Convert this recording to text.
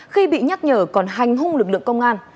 khi bị nhắc nhở còn hành hung lực lượng công an